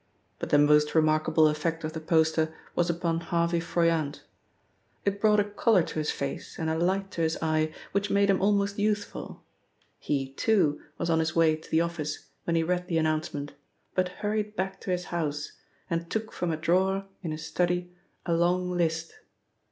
But the most remarkable effect of the poster was upon Harvey Froyant. It brought a colour to his face and a light to his eye which made him almost youthful. He, too, was on his way to the office when he read the announcement, but hurried back to his house, and took from a drawer in his study a long list.